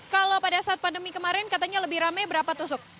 kalau pada saat pandemi kemarin katanya lebih rame berapa tusuk